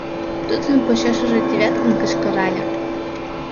— тудын почешыже Девяткин кычкырале.